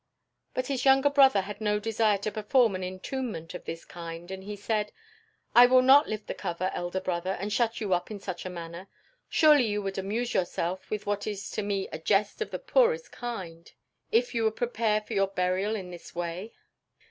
But his younger brother had no desire to perform an entombment of this kind and he said: "I will not lift the cover, elder brother, and shut you up in such a manner. Surely you would amuse yourself with what is to me a jest of the poorest kind, if you would prepare for your burial in this way!"